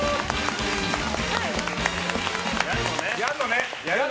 やんのね？